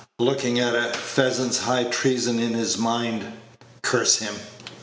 Looking at a pheasant's high treason in his mind, curse him."